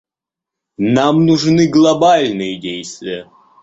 Нам нужны глобальные действия.